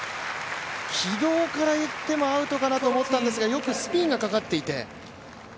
軌道からいってもアウトかなと思ったんですが、よくスピンがかかっていて。